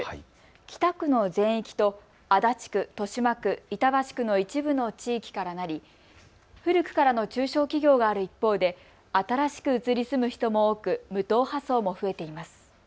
北区の全域と足立区、豊島区、板橋区の一部の地域からなり古くからの中小企業がある一方で、新しく移り住む人も多く無党派層も増えています。